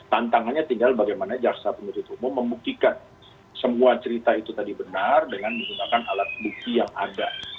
tantangannya tinggal bagaimana jaksa penutup umum membuktikan semua cerita itu tadi benar dengan menggunakan alat bukti yang ada